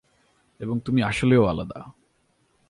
এবং তুমি আসলেও আলাদা।